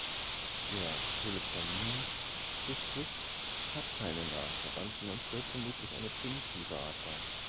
Der Telefomin-Kuskus hat keine nahen Verwandten und stellt vermutlich eine primitive Art dar.